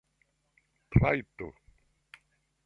trajto